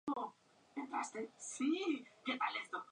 Pero casi milagrosamente el procesado salva su vida.